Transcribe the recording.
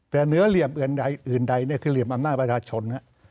แต่เหนือเหลี่ยมอื่นใดอื่นใดคือเหลี่ยมอำนาจประชาชน